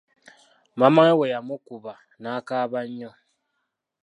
Maama we yamukuba n'akaaba nnyo.